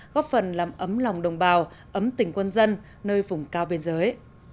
góp phần làm ấm lòng đồng bào ấm tỉnh quân dân nơi vùng cao biên giới